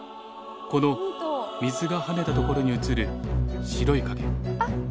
この水がはねたところに映る白い影。